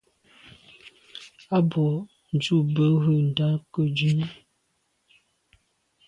A bwô ndù be ghù ndà ke ndume.